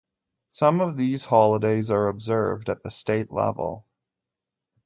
Some of these holidays are observed at the state level.